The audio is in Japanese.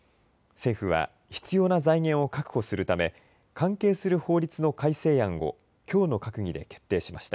政府は必要な財源を確保するため関係する法律の改正案をきょうの閣議で決定しました。